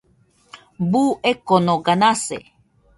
Buu ekonoga nase